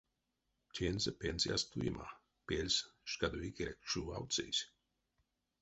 Тензэ пенсияс туема, пельсь, шкадо икеле кшувавтсызь.